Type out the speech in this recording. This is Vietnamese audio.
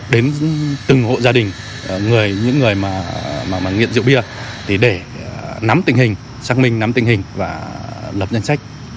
đến từng hộ gia đình người những người nghiện rượu bia để nắm tình hình xác minh nắm tình hình và lập danh sách